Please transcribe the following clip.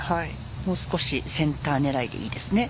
もう少しセンター狙いでいいですね。